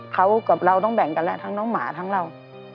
เขากับเราต้องแบ่งกันแล้วทั้งน้องหมาทั้งเรา